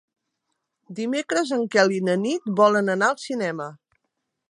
Dimecres en Quel i na Nit volen anar al cinema.